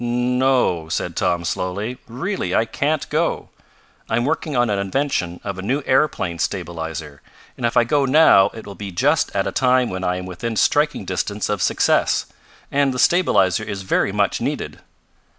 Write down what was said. "No," said Tom, slowly. "Really I can't go. I'm working on an invention of a new aeroplane stabilizer, and if I go now it will be just at a time when I am within striking distance of success. And the stabilizer is very much needed."